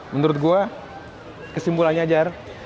menurut gua kesimpulannya jar